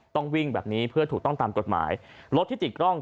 ต้องวิ่งแบบนี้เพื่อถูกต้องตามกฎหมายรถที่ติดกล้อง